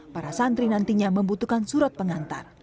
para santri nantinya membutuhkan surat pengantar